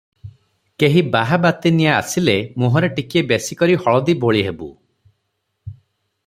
କେହି ବାହା ବାତିନିଆ ଆସିଲେ ମୁହଁରେ ଟିକିଏ ବେଶି କରି ହଳଦୀ ବୋଳି ହେବୁ ।